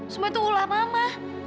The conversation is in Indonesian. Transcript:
semua itu ulah mama